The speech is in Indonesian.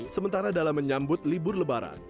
sementara dalam menyambut libur lebaran